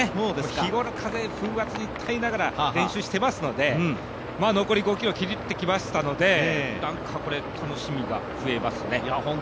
日頃、風、風圧に耐えながら練習してますので残り５ｋｍ、切ってきましたので、これ楽しみが増えますね。